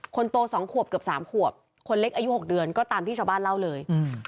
คนโต๒ขวบเกือบ๓ขวบคนเล็กอายุ๖เดือนก็ตามที่ชาวบ้านเล่าเลย